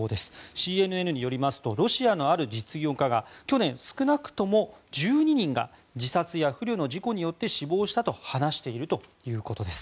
ＣＮＮによりますとロシアのある実業家が去年少なくとも１２人が自殺や不慮の事故によって死亡したと話しているということです。